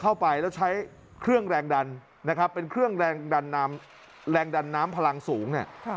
เข้าไปแล้วใช้เครื่องแรงดันนะครับเป็นเครื่องแรงดันน้ำแรงดันน้ำพลังสูงเนี่ย